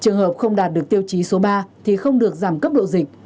trường hợp không đạt được tiêu chí số ba thì không được giảm cấp độ dịch